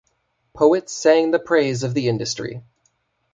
Poets sang the praise of the industry.